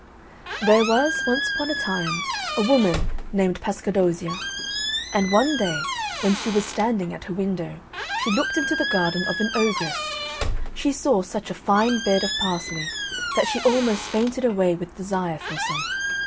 There was, once upon a time, a woman named Pascadozzia, and one day, when she was standing at her window, which looked into the garden of an ogress, she saw such a fine bed of parsley that she almost fainted away with desire for some.